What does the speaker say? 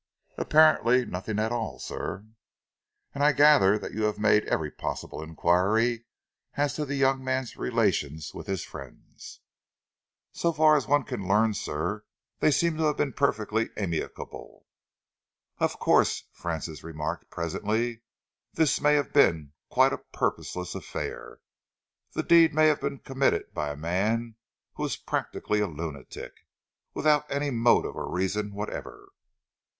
"Apparently nothing at all, sir." "And I gather that you have made every possible enquiry as to the young man's relations with his friends?" "So far as one can learn, sir, they seem to have been perfectly amicable." "Of course," Francis remarked presently, "this may have been quite a purposeless affair. The deed may have been committed by a man who was practically a lunatic, without any motive or reason whatever."